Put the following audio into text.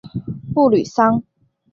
布吕桑。